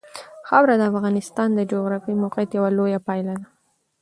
خاوره د افغانستان د جغرافیایي موقیعت یوه لویه پایله ده.